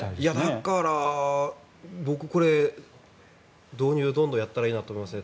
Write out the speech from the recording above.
だから僕、これ導入どんどんやったらいいと思いますね。